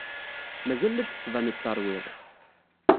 Mazal la d-tettbaned terwid.